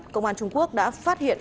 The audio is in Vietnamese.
công an trung quốc đã phát hiện